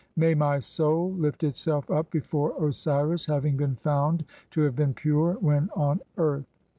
May my soul lift itself up before (17) [Osiris], "having been found to have been pure when on earth.